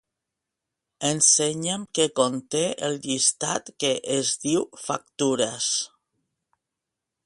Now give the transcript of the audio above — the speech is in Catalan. Ensenya'm què conté el llistat que es diu "factures".